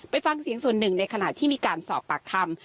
ฟังเสียงส่วนหนึ่งในขณะที่มีการสอบปากคำ